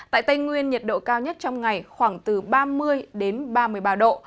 tại tây nguyên nhiệt độ cao nhất trong ngày khoảng từ ba mươi đến ba mươi ba độ